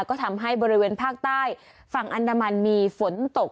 ก็ทำให้บริเวณภาคใต้ฝั่งอันดามันมีฝนตก